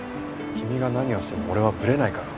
君が何をしても俺はブレないから。